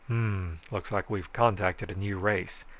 "Hmmm, looks like we've contacted a new race.